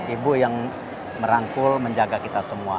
ibu yang merangkul menjaga kita semua